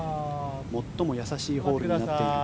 最も易しいホールになっている